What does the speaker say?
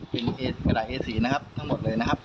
เป็นหลายเอสีนะครับทั้งหมดเลยนะครับ